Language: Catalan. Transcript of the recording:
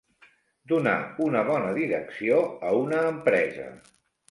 Donar una bona direcció a una empresa.